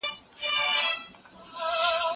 زه له سهاره شګه پاکوم!!